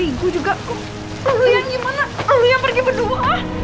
lu yang gimana lu yang pergi berdua